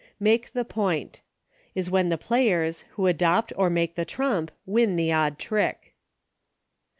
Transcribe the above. Make the Point. Is when the players, who adopt or make the trump, win the odd trick.